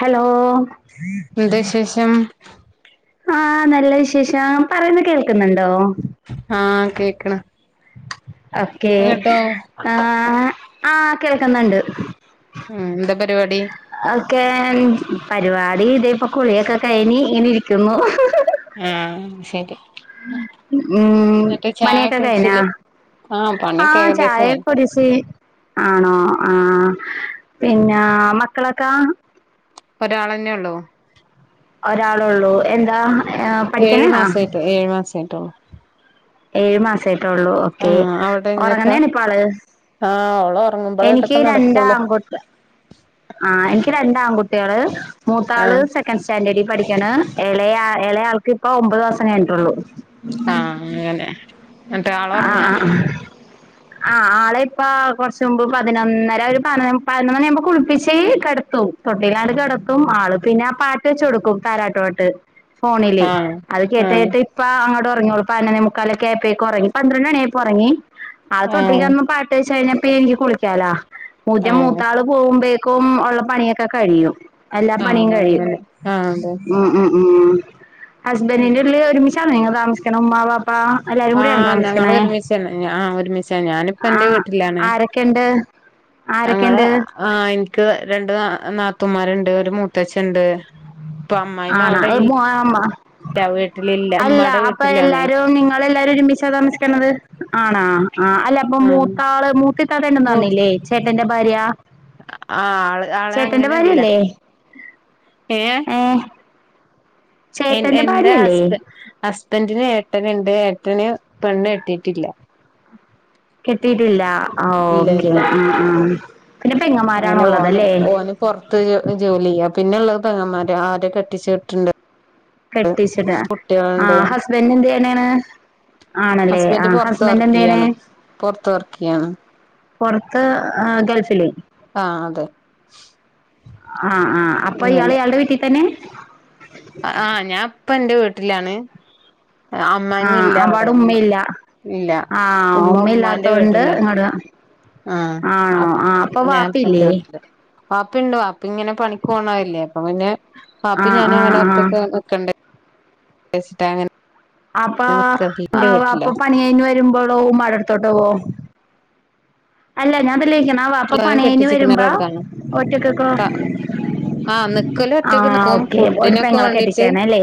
Hello എന്ത് വിശേഷം ആഹ നല്ല വിശേഷം പറയുന്നു കേൾക്കുന്നുണ്ടോ ആഹ കേക്കണ ഓക്കെ ആ ആ കേൾക്കുന്നുണ്ട് ഉം എന്താ പരിപാടി ഒക്കെ പരിപാടി ഇത ഇപ്പൊ കുളിയൊക്കെ കഴിഞ്ഞ ഇങ്ങനെ ഇരിക്കുന്നു ആഹ ശരി ഉം എന്നിട്ട് പണി ചായൊക്കെ ഒകെ കഴിഞ്ഞ കുടിച്ചില്ലേ ആഹ് പണിയൊക്കെ ആഹ ചായ ഏകദേശായി കുടിച് ആണോ ആഹ പിന്നെ മക്കളൊക്കെ ഒരാൾെന്നെയ ഉള്ളൂ ഒരാളള്ളൂ എന്താ ഏഴു പഠിക്കനാണോ മാസായിട്ട് ഏഴു മാസായിട്ടുള്ളൂ ഏഴു മാസമായിട്ടേ ഉള്ളൂ ഓക്കേ ആഹ് അവിടെ ഇങ്ങക്കാ ഉറങ്ങനെയാണ് ഇപ്പ ആള് ആഹ് ഓള് ഒറങ്ങുമ്പളേ എനിക്ക് ഇതൊക്കെ രണ്ടാ നടക്കൊള്ളൂ അങ്ങോട്ട് ആ എനിക്ക് രണ്ട ആൺകുട്ടികൾ മൂത്താള് ആഹ് സെക്കൻ് സ്റ്റാൻഡേർഡ് പഠിക്കാണ് ഇളയ ഇളയാൾക്ക് ഇപ്പൊ ഒമ്പത് മാസം കഴിഞ്ഞിട്ടുള്ളു ആഹ അങ്ങനെ എന്നിട്ട് ആള് ഉറങ്ങാ ആ ആളെ ഇപ്പ കുറച്ച മുമ്പ് പതിനൊന്നര ഒരു പതിനൊന്നു മണി ആവുമ്പോ കുളിപ്പിച്ചേ തൊട്ടില കിടത്തും ആ പിന്നെ വെച്ച കൊടുക്കും താരാട്ട് പാർട്ടി ഫോണില് ആഹ് അത് കേട്ട ആഹ് കേട്ട ഇപ്പ അങ്ങോട്ട ഉറങ്ങ കൊടുക്കും പതിനൊന്നെ മുക്കാൽ ഒക്കെ ആയപ്പോഴേക്ക് ഉറങ്ങി പന്ത്രണ്ട് മണിയപോൾ ഉറങ്ങി അത് ആഹ് തൊട്ടിക്ക്ന്ന പാട്ട് വെച്ച് കഴിഞ്ഞാൽ ഇപ്പോ എനിക്ക് കുളിക്കാലാ ആഹ് മൂത്താള് പോകുമ്പേക്കും ഉള്ള പണിയൊക്കെ കഴിയും എല്ലാ ആഹ് പണിയും കഴിയും അങ്ങനെ ആഹ് അതെ ഉം ഉം ഉം ഹസ്ബൻഡിന്റെ കൂടെ ഒരുമിച്ചാണോ നിങ്ങൾ താമസിക്കണം ഉമ്മ വാപ്പ എല്ലാരും കൂടെയാണോ ആഹ ഞങ്ങ താമസിക്കണേ ഒരുമച്ചയാണ് ആ ഒരുമിച്ചയാണ് ഞാനിപ്പ എന്റെ ആഹ് വീട്ടിലാണ് ആരൊക്കെണ്ട് ഞങ്ങൾ ആരൊക്കെണ്ട് ആ എനിക്ക് എനിക്ക് രണ്ട് നാത്തമാരുണ്ട് ഒരു മൂത്തച്ഛ ഉണ്ട് ഇപ്പൊ അമ്മായിമ്മ ആണാ ഏ അവിടെയില്ല മോ അമ്മ [unintelligible] അല്ല അപ്പൊ വീട്ടിലാണേ എല്ലാരും നിങ്ങൾ എല്ലാരും ഒരുമിച്ചാ താമസിക്കണത് ആണാ ആഹ അല്ല അപ്പൊ ആ മൂത്താള് മൂത്തിത്താട ഉണ്ടന്ന് മൂ പറഞ്ഞില്ലേ ചേട്ടന്റെ ഭാര്യ ആ ആള് ആളെ ചേട്ടന്റെ അങ്ങനെല്ല ഭാര്യയല്ലേ ഏ ഏഹ് ചേട്ടന്റെ എന്റെ ഭാര്യയല്ലേ ഹസ്ബൻറിന് ഏട്ടനണ്ട് ഏട്ടന് പെണ്ണ് കെട്ടിയിട്ടില്ല കെട്ടിട്ടില്ല ഓക്കെ ഇല്ല ഉം ഉം അങ്ങനെ ഓന് ഓന് പുറത്ത് ജോലി ചെയ്യാ പിന്നെള്ളത് പെങ്ങന്മാർ അവരെ കെട്ടിച്ച വിട്ടിട്ടുണ്ട് കെട്ടിച്ചിട കുട്ടികളുണ്ട് ആഹ ഹസ്ബൻഡ എന്ത് ചെയ്യണയെന്ന് ആണല്ലേ ആ ഹസ്ബൻഡ് പൊറത്ത് ഹസ്ബൻഡ് വർക്ക് എന്ത് ചെയ്യണ് ചെയ്യാണ് പൊറത്ത് വർക്ക് ചെയ്യാണ് പുറത്ത് ഗൾഫിലേ ആ അതെ ആഹ് ആ അപ്പൊ ഇയാള് ഇയാളുടെ വീട്ടിൽ തന്നെ ആഹ് ഞാൻ ഇപ്പോ എന്റെ വീട്ടിലാണ് അമ്മായി ആ അമ്മ ഇല്ല അവിടെ ഉമ്മ ഉമ്മയില്ല ഇല്ല ആ ഉമ്മ ഉമ്മാന്റെ ഉമ്മയില്ലാത്തോണ്ട് വീട്ടില ഇങ്ങട് ആണോ ആഹ ആ അപ്പ അപ്പൊ ഞാൻപ്പ എന്റെ വാപ്പയില്ലേ വീട്ടില് പപ്പയുണ്ടോ പാപ്പ ഇങ്ങനെ പണിക്ക് പോണാവില്ലേ അപ്പൊ പിന്നെ ആ പാപ്പി ഞാൻ ആ അങ്ങനെ ആ ഒറ്റക്കെ നിക്കണ്ടേ [unintelligible] അപ്പൊ നിക്കല് എന്റെ വീട്ടിലാ അപ്പൊ പണഴിഞ് വരുമ്പോഴോ മടർത്തോട്ടവോ അല്ല ഞാൻതെലക്കണവാ അപ്പൊ അവസാനം പണന് കെട്ടിച്ചിക്കണോര് വരുമ്പോ അവിടുന്നാണ് ഒറ്റക്കൊക്ക ആഹ് നിക്കല് ഒറ്റക്ക് ആഹ നിക്കും ഓക്കെ ഒരു ഫുഡിനൊക്കെ പെങ്ങളൊ വേണ്ടീട്ട് കെട്ടിച്ചേണ അല്ലേ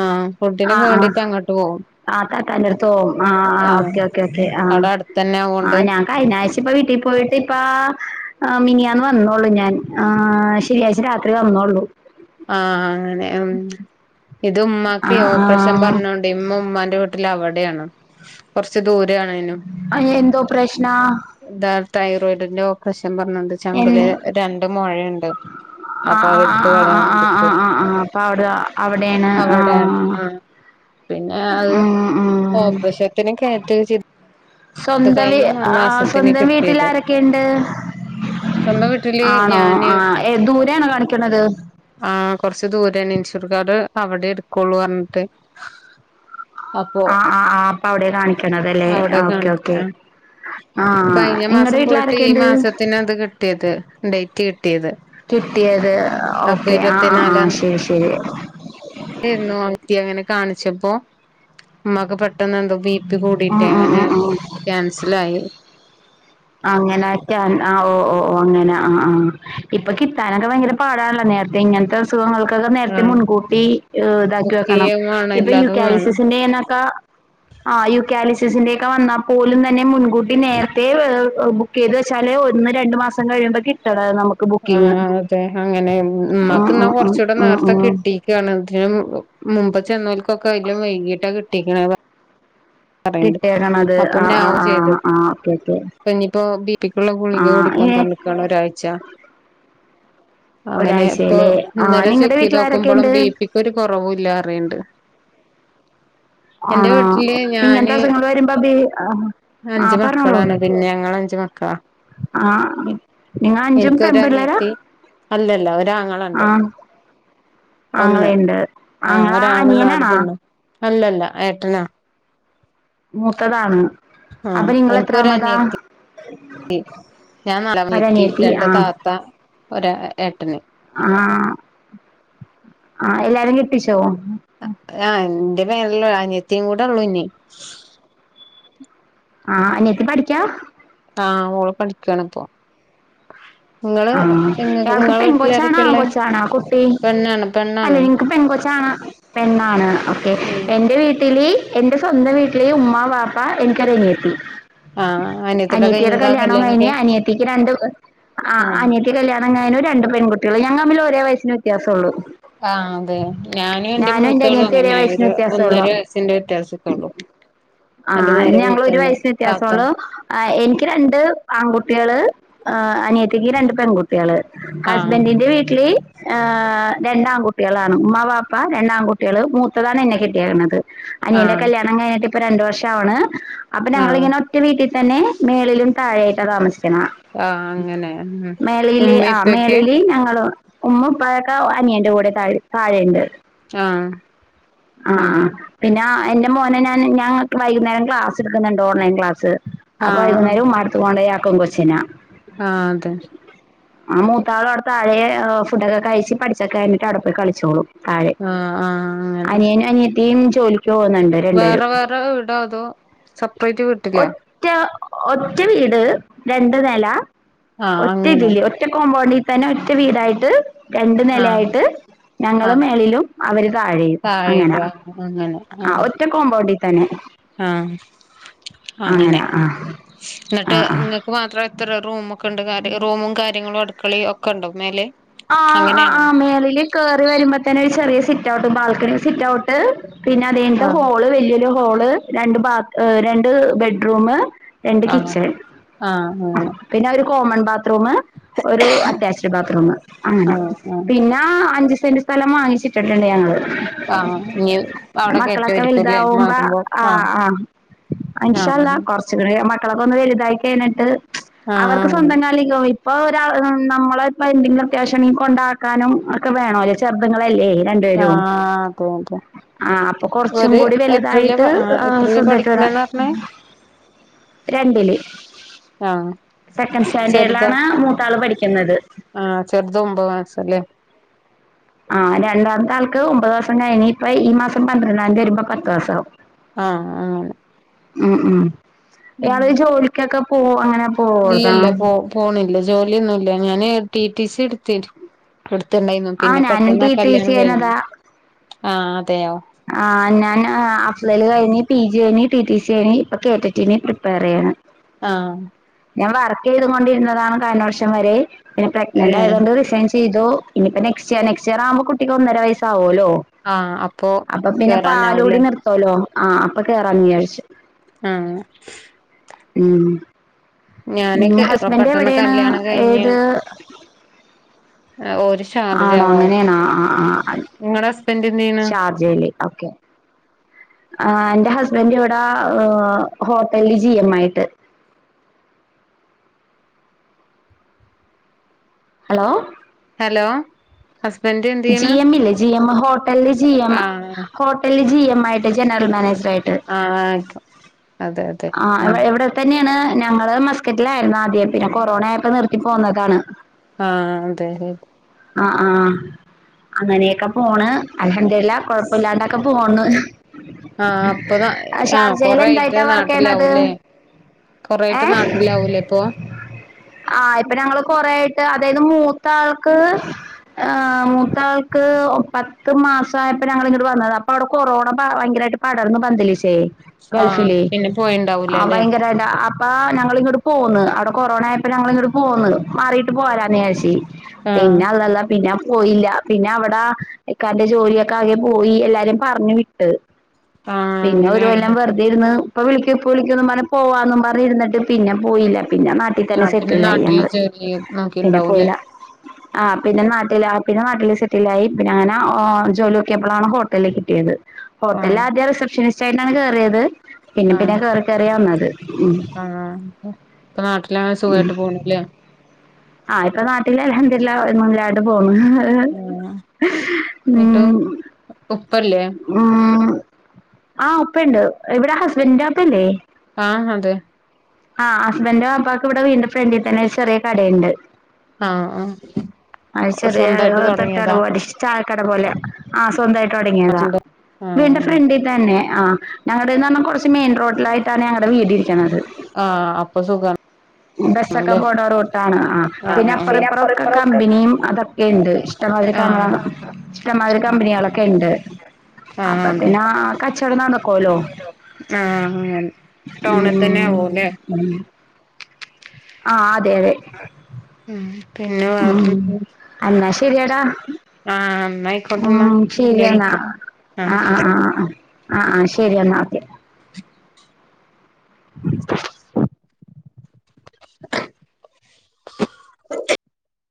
ആഹ് ആ ഫുഡിനൊക്കെ ആ വേണ്ടീട്ട് അങ്ങോട്ട് പോകും ആ താട്ടന്റെറെ അടുത്ത്ോവും ആ് ആഹ് ഓക്കെ ഓക്കേ േ ആഹ അവിടെ അടുത്തന്നെ ആഹ ആവോണ്ട് ഞാൻ കഴിഞ്ഞ ആഴ്ച ഇപ്പ വീട്ടിൽ പോയിട്ട് ഇപ്പ മിനിയാന്ന് വന്നോള്ളു ഞാൻ ശനിയാഴ്ച്ച രാത്രി വന്നോള്ളൂ ആഹ് അങ്ങനെ ഉം ഇത് ആ ഉമ്മാക്ക് ഓപ്പറേഷൻ ആ പറഞ്ഞോണ്ട് ഇമ്മ ഉമ്മാന്റെ വീട്ടിൽ അവിടെയാണ് കുറച്ച് ദൂരം എന്തോ പ്രശ്നാ ത പൻ പറഞ്ഞണ്ട് ചങ്കല എന്ന് രണ്ട് മഴയുണ്ട് അപ്പൊ എടുത്ത കളയാൻ ആഹ് ആ ആ് അപ്പൊ അവിടെ അവിടെയാണ് ആ അവിടെയാണ് ആ പിന്നെ അത് ഉം ഉം ഓപ്പശത്തിന കേയറ്റ സ്വന്തം വ ആ സ്വന്തം വീട്ടിൽ കിട്ടിയത് ആരൊക്കെുണ്ട് സ്വന്തം വീട്ടില് ആണോ ഞാന് ആ ദൂര ആാണ് കാണിക്കണത് ആഹ കൊറച്ചു ദൂരാണ് ഇൻഷൂർ കാർഡ് അവിടെ എടുക്കുള്ളു പറഞ്ഞിട്ട് അപ്പൊ ആ ആ് ആ് അപ്പ അവിടെ കാണിക്കണതല്ലേ അവിടെ ഓക്കെ ഓക്കെ കാണിക്ക ആഹ് കഴിഞ്ഞ ഇങ്ങടെ മാസം വീട്ടിൽ പോയിട്ട് ഈ ആരൊക്കെയുണ്ട് മാസത്തിന് അത് കിട്ടിയത് ഡേറ്റ് കിട്ടിയത് കിട്ടിയത് അപ്പൊ ഓക്കെ ആ ആ ആഹ ഇരുപത്തിനാലാം ശരി ശരി തീയതി ആയിരുന്നു അങ്ങനെ കാണിച്ചപ്പോ മക പ പെട്ടെന്ന് എന്തോ ബി പി ഉം കൂടിട്ടേ ഉം അങ്ങനെ ഉം ഉം ക്യാൻസൽ ആായി അങ്ങനെ ാൻ ആ ഓ ഓ ഓ അങ്ങനെ ആ ആ് ഇപ്പൊ ാനൊക്കെ ഭയങ്കര പാടാണല്ല നേരത്തെ ഇങ്ങനത്തെ അസുഖങ്ങൾക്കൊക്കെ നേരത്തെ ആഹ് മുൻകൂട്ടി ് ഇതാക്കി വെക്കണം ബുക്കെയ്യും വേണം ഇപ്പൊ എല്ലാതും വേണം യൂക്കാലിസിസിന്റെൊക്കെ ആ് യുക്കാലിസിസിന്റെ ഒക്കെ വന്നാൽ പോലും തന്നെ മുൻകൂട്ടി നേരത്തെ ബുക്ക് ചെയ്ത് വെച്ചാല് ഒന്ന് രണ്ടു മാസം കഴിയുമ്പോ കിട്ടണം നമുക്ക് ബുക്കിംഗ് ആഹ അതെ അങ്ങനെ ഉം നമ്മക്ക് ഇന്നാ ഉം ഉം കൊറച്ചുകൂടെ ഉം നേരത്തെ ഉം കിട്ടിക്കയാണ് ഇതിനും മുമ്പ് ചെന്നോൽക്കൊക്കെ അതിലും വൈകീട്ടാ കിട്ടിക്കണേ പറണ്ട് കിട്ടേക്കണത് അപ്പൊ ആ ആ ാവ് ആ ചെയ്തത് ആ ഓക്കെ ഓക്കെ അപ്പൊ ഇനിയിപ്പോൊ ബിപ്പിക്കുള്ള ആ ഗുളിക കുട ക്കൻ ഏ പറഞ്ഞക്കാണ് ഒരാഴ്ച അങ്ങനെ ഇപ്പൊ ഒരാഴ്ചയിലെ ആ ഇന്നലെ നിങ്ങടെ ചെക്ക് ചെയ്ത നോക്കുമ്പോളും വീട്ടിലാരൊക്കെയുണ്ട് ബി പിക്ക്ൊ ഒരു കുറവ ഇല്ലാ അറണ്ട് എന്റെ ആണോ വീട്ടില് ഇങ്ങനത്തെ അസങ്ങൾ വരുമ്പബി അഞ്ചു മക്കളാണ് പിന്നെ ഞങ്ങ അഞ്ചു മക്കളാ ആഹ നിങ്ങ അഞ്ചും എനിക്കൊരു പമ്പള്ളരാ അനിയത്തി അല്ലല്ല ഒരാങ്ങളുണ്ട് ഒന്ന് ആങ്ങളെയുണ്ട് ആഹ ആങ്ങള ഒരാണ നാടി അനിയനാണാ പിണോ അല്ലല്ല ഏട്ടനാ മൂത്തതാണ് ആ അപ്പൊ നിങ്ങള എത്രാ മതാ എനിക്കൊരനിയത്തി ഞാൻ നിറമീത്തി ഒരനിയത്തി രണ്ട് ആ താത്ത ഒ ഏട്ടന് ആ ആ എല്ലാരും കിട്ടിച്ചോ ആ എറെ പേരെല്ലോ അനയത്തയും കൂടെ ഉള്ളൂനേ ആഹ അനെത്തി പഠിക്കാ ആഹ മോള് പഠിക്കണപ്പ ആഹ അയാൾക്ക്ിപ്പ എൻ കൊച്ചാണാ ആരൊക്കെയുള്ളേ കൊച്ചാണാ കുട്ടി പെണ്ണാണ് അല്ലെ പെണ്ണാണ് നിങ്ങക്ക് പെൺകൊച്ചാണ് പെണ്ണാണ് ഓക്കെ ഉം എറെ വീട്ടില് എന്റെ സ്വന്തം വീട്ടില ഉമ്മ പാപ്പ എനിക്ക്റങ്ങിയത്തി ആ അനിയത്തിയുടെ കഴിഞ്ഞതാ കല്യാണംവും കഴിഞ്ഞീ കല്യാണൊക്കെ അനിയത്തിക്ക് രണ്ട് ആ ആനതി കല്യാണംങ്ങാനും ര പെകട്ടിക ഞങ്ങ തമ്മിൽ ഒരേ വയസ്സിന് വ്യത്യാസമുള്ളു ആ അതെ ഞാന് ൻ്റെ എന്റെ മൂത്തോളും അനിയത്തിയും ഒരേ അങ്ങനെ വയസ്സിന് ഒരു ഒന്നര വ്യത്യാസമുള്ളൂ വയസ്സിന്റെ വ്യത്യാസക്കെ ഉള്ളു ആഞങ്ങള് ഒരു വയസിന് വ്യത്യാസസോളോ ആ എനിക്ക് രണ്ട് ആൺകുട്ടികൾ അനിയ ത്തിക്ക് രണ്ട് പെൺകുട്ടികള് ആ ഹസ്ബന്ഡിന്റെ വീട്ടില് ആ രണ്ടാകുട്ടികളാണ് ഉമ്മ പാപ്പ രണ്ടാ കുട്ടികള് മൂത്തതാണ് എന്നെ കിട്ടിയരിക്കണുന്നത് അനിയന്റെ ആ കല്യാണം കഴിഞ്ഞിട്ട് ഇപ്പ രണ്ടു വർഷാവണ് അപ്പൊ ഞങ്ങൾ ആഹ് ഇങ്ങനെ ഒറ്റ വീട്ടിൽ തന്നെ മേളിലും താഴെയായിട്ട താമസിക്കു ആ അങ്ങനെ ഉം മേളിൽ ഉമ്മി ആ ഇപ്പൊക്കെ മേളിൽ ഞ ഉമ്മ ഇപ്പഴൊക്കെ അനിയന്റെ കൂടെ താഴ താഴെുണ്ട് ആ ആആ പിന്നെ എന്റെ മോനെ ഞാൻ ഞങ്ങ വൈകുന്നേരം ക്ലാസ് എടുക്കുന്നുണ്ട് ഓൺലൈൻ ക്ലാസ്സ് അ ആഹ് വൈകുന്നേരം ഉമ്മാടത്ത് കൊണ്ട ആക്കും കൊച്ചിനെ ആ അതെ ആ മൂത്താള അവിടെ തഴെ ഫുഡൊക്കെ കഴിച്ച് പഠിച്ചൊക്ക കഴിഞ്ഞിട്ട് അവിടെ പോയി കളിച്ചോളു ആ ആ അനിയനും അനിയത്തിയും ജോലി പോന്നുണ്ട് രണ്ട് പേരും വേറെ വേറെ വീടോ അതോ സെപ്പറേറ്റ് വീട്ടിലോ ഒറ്റ ഒറ്റ വീട് രണ്ട് നില ആഹ് ഒറ്റ അങ്ങനെ ഇതില് ഒറ്റ കോമ്പൗണ്ട് തന്നെ ഒറ്റ വീടായിട്ട് രണ്ടു ആഹ് നിലയായിട്ട് ഞങ്ങളും മേളിലും അവര് താഴെയും അങ്ങനാ താഴേട്ടോ അങ്ങനെ ആ ഒറ്റ കോമ്പൗണ്ടിൽ തന്നെ ആ അങ്ങനെ അങ്ങനാ ആഹ് എന്നിട്ട് ആഹ് ആഹ് നിങ്ങൾക്ക് മാത്രം എത്ര റൂമ കെണ്ട്കാര്യ റൂമും കാര്യങ്ങളും അടുക്കളയും ഒക്കെണ്ടോ മേലെ ആ ആ ആ അങ്ങനെയാണോ മേള്ൽ കേറി വരുമ്പോ തന്നെ ഒരു ചെറിയ സിറ്റ് ഔട്ട് ബാൽക്കണി സിറ്റ്ഔട്ട് പിന്നെ അത് കഴിഞ്ഞിട്ട് ആഹ് ഹോള് വല്ലിയൊരു ഹോള് രണ്ട് ബാ രണ്ട് ബെഡ്റൂം രണ്ട് ആഹ് കിച്ചൺ ആഹ് അങ്ങനെ പിന്നെ കോമൺ ബാത്റൂം ഒരു അറ്റാച്ച്ഡ് ബാത്റൂം അങ്ങനെ ആഹ് ആഹ് പിന്നെ അഞ്ച് സെന്റ് സ്ഥലം വാങ്ങിച്ചിട്ടുണ്ട് ഞങ്ങള് ആഹ് ഇനി അവിടെ മക്കളൊക്കെ കയറ്റുവായിരിക്കുംല്ലേ വലുതാവുമ്പോ മാറുമ്പോ ആ ആഹ് ആ ആഹ് ഇന്ശാല്ലല്ലാഹ് കുറച്ചുകൂടെ മക്കളൊക്കെ ഒന്ന് വലുതായി കഴിഞ്ഞിട്ട് ആഹ് അവർക്ക് സ്വന്തം അങ്ങനെ കാലിക്കോ ഇപ്പൊ ഒരാ നമ്മള ഇപ്പോ എന്തെിലും അത്യാവശ്യണ്ടങ്കി കൊണ്ടാക്കാനും ഒക്കെ വേണോ അല്ലേ ചെറുതു ങ്ങളല്ലേ രണ്ടു പേരും ആഹ് അതെ ആ അപ്പൊ അതെ കൊറച്ചും ഒരു കൂടി എത്രയിലാ വലുതായിട്ട് പ ആഹ് എത്രയിലാ ശ്രദ്ധിക്കണം പഠിക്കണേന്ന് പറഞ്ഞേ രണ്ടില് ആഹ് സെക്കൻഡ് ചെറുതോ സ്റ്റാൻഡേർഡിലാണ് മൂത്താള് പഠിക്കുന്നത് പോ ഒമ്പ മാസല്ലേ ആ രണ്ടാമത്തെ ആൾക്ക് ഒമ്പതാസം കഴിഞ്ഞ് ഇപ്പ ഈ മാസം പന്ത്രണ്ടാംതി വരുമ്പോ പത്ത് മാസവും ആ ആ ഉം ഉം ഇയാള് ജോലിക്കൊക്കെ പോ അങ്ങനെ പോവ്താ ഇല്ലല്ല പോ പോണില്ല ജോലിയൊന്നുല്ല ഞാന് ടി ടി സി എടുത്തി എടുത്ത് ട്ട്ണ്ടായിന്നു ആ പിന്നെ ഞാനും പെട്ടെന്ന ടി ടി സി കല്യാണം കഴിഞ്ഞു കഴിഞ്ഞതാ ആ ആ ഞാൻ അഫ്ലല് കഴിഞ്ഞ് പി ജി കഴിഞ്ഞ് ടി ടി സി കഴിഞ്ഞ് ഇപ്പൊ കെടക്ക്റ്റ്ന് പ്രിപ്പയർ ചെയ്യാണ് ആ ഞാൻ വർക്ക് ചെയ്തു കൊണ്ടിരുന്നതാണ് കഴഞ്ഞ വർഷം വരെ പിന്നെ പ്രഗ്നന്റ് ഏഹ് ആയതുകൊണ്ട് റിസൈൻചെ യ്തു ഇനി ഇപ്പോ നെക്സ്റ്റ് നെക്സ്റ്റ് ഇയർ ആവുമ്പോ കുട്ടിക്ക് ഒന്നര വസ്സാവുല്ലോ ആഅ പ്പൊ പിന്നെ പാലൂടി നിർത്തോലോ ആ അപ്പൊ കേറാ ഞ്ഞി വിചാരിച്ചു ആ ഉം ഉ കേ ഹസ്ബൻഡ പെട്ടെന്ന് എവിടെയാണ് കല്യാണം കഴിഞ്ഞ് ഏത് ഓര് ആണോ ഷാർജാവാ അങ്ങനെയണോ ആ ആ [inaudible] നിങ്ങടെ ഹസ്ബൻഡ് എന്ത് ചെയ്യണ് ഷാർജയിലി ഓക്കെ ആ എൻ്റെ ഹസ്ബൻഡ് ഇവിടാ ഹോട്ടലിൽ ജി എം ആയിട്ട് ഹലോ. ഹലോ ഹസ്ബൻഡ് എന്ത് ജി ചെയ്യണ് എം ഇല്ലേ ജി എം ഹോട്ടലില് ജി എം ആഹ് ഹോട്ടലില് ജി എം ആയിട്ട് ജനറൽ മാനേജർ ആയിട്ട് ആഹ ആക്കോ അതെ [inaudible] ആ ആഹ് എവിടെ തന്നെയാണ് ഞങ്ങൾ മസ്ക്കറ്റിലായിരുന്നു ആദ്യം പിന്നെ കൊറോണായപ്പോ നിർത്തി പോകുന്നതാണ് ആഹ അതെെ [inaudible] ആ ആഹ അങ്ങനെയൊക്കെ പോണ് അൽഹംദുലില്ലാ കൊഴപ്പില്ലാതൊക്കെ പോന്ന് ആഹ അപ്പൊ ആഹ് കൊറ ആയിട്ട്ട്ട എന്തായിട്ടാ [unintelligible] വർക്ക് ചെയ്യണത് നാട്ടിലാവൂലേ കൊറായിട്ട് നാട്ടിലാവൂലേ ഇപ്പൊ ആഹ് ഇപ്പൊ ഞങ്ങൾ കൊറേ ആയിട്ട് അതായത് മൂത്താൾക്ക് മൂത്താക്ക് പത്ത് മാസായപ്പോ വന്നത് അപ്പൊ അവിടെ കൊറോണ ഭയങ്കരമായിട്ട് പടർന്നു പന്തലിച്ച് ആഹ പിന്നെ പോയിണ്ടാവൂല ആ അല്ലെ ഭയങ്കരല്ല അപ്പ ഞങ്ങിങ്ങോട്ട് പോന്നു [inaudible] അവിടെ കൊറോണ ആയപ്പോൾ ഞങ്ങളിങ്ങോട്ട് പോന്ന് മാറിട്ട് പോയരാനേശി ആഹ് പിന്നെ അതല്ല പിന്നെ പോയില്ല പിന്നെ അവിടെ ഇക്കാന്റെ ജോലിയൊക്കെ ആകെ പോയി എല്ലാരും പറഞ്ഞു വിട്ടു ആഹ് പിന്നെ അങ്ങനെ ഒരു കൊല്ലം ആയില്ലപ്പോ വെറുതെ ഇരുന്ന് ഇപ്പൊ വിളിക്കും ഇപ്പോ വിളിക്കൊന്ന് പറഞ്ഞു പോവാന്നും പറഞ്ഞിട്ട് പിന്നെ പോയില്ല പിന്നെ നാട്ടിൽ തന്നെ ആഹ് പിന്നെ സെറ്റിലായി നാട്ടില് ഞങ്ങൾ ജോലി പിന്നെ നോക്കിണ്ടാവൂലേ പോയില്ല ആ പിന്നെ നാട്ടിൽ പിന്നെ നാട്ടിൽ സെറ്റിലായി പിന്നെ അങ്ങനെ ജോലിയൊക്കെ എപ്പോഴാണോ ഹോട്ടലിൽ കിട്ടിയത് ഹോട്ടലിൽ ആഹ് ആദ്യം റിസപ്ഷനിസ്റ്റ് ആയിട്ടാണ് കേയറിയത് പിന്നെ പിന്നെ കേറി കേറി വന്നത് ഉം ആഹ ഇപ്പൊ നാട്ടിലെങ്ങനെ സുഖായിട്ട് പോണല്ലേ ആഹ് ഇപ്പൊ നാട്ടിൽ അൽഹംദുലില്ലാഹ് എന്നില്ല മുന്നോട്ടു പോണ് [inaudible] ആ എന്നിട്ട് ഉപ്പ ഇല്ലേ ഉം ആ ഉപ്പയുണ്ട് ഇവിടെ ഹസ്ബന്റിന്റെ വാപ്പയല്ലേ ആഹ് അതെ ആഹ് ഹസ്ബൻഡോൻ്റെ വാപ്പാക്ക് ഇവിടെ വീടിൻ്റെ ഫ്രണ്ടിൽ തന്നെ ഒരു ചെറിയ കടയുണ്ട് ആഹ് ആഹ് അത് ചെറിയൊരു സ്വന്തായിട്ട് തട്ടുകട തൊടങ്ങിയതാ പോലെ കട പോലെ ആ സ്വന്തമായിട്ട് തുടങ്ങിയതാ വീടിൻ്റെ ആഹ് ഫ്രണ്ടിൽ തന്നെ ആഹ ഞങ്ങളുടെ എന്ന് പറഞ്ഞാൽ കുറച്ച് മെയിൻ റോഡിലായിട്ടാണ് ഞങ്ങളുടെ വീട് ഇരിക്കുന്നത് ആഹ അപ്പൊ സുഖം ബസ്സൊക്കെ പോട റൂട്ടാണ് ആ പിന്നെ അപ്പറിപ്പറൊക്കെ കമ്പനിയും കമ്പനി അതൊക്കെയുണ്ട് ഇഷ്ടമാതിരി ആഹ് ഇഷ്ടമാതിരി കമ്പനിയ അതെ [unintelligible] ക്കെയുണ്ട് ആഹ് അപ്പൊ പിന്നെ ആ കച്ചവടം നടക്കുമല്ലോ അങ്ങനെ [unintelligible] ടൗണിൽ ഉം തന്നെ ആവൂല്ലേ ഉം ആഹ് അ [inaudible] ഉം പിന്നെ ഉം വെറെന്താ എന്നാ ശരിയെടാ ആഹ് ന്നായിക്കോട്ടെന്നാ ഉം ശരി പിന്നെ എന്നാ വിളിക്കാ ആ ആഹ് ആ ആ ആ ആ ആ ശരി എന്നാ ഓക്കെ [inaudible] [inaudible]